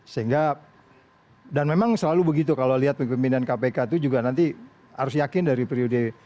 sehingga dan memang selalu begitu kalau lihat pemimpinan kpk itu juga nanti harus yakin dari periode